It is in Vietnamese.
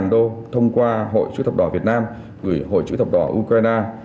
một trăm linh đô thông qua hội chữ thập đỏ việt nam gửi hội chữ thập đỏ ukraine